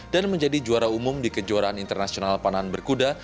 dan menjadi juara umum di kejuaraan internasional panahan berkuda